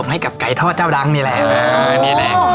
ให้กับไก่ทอดเจ้าดังนี่แหละ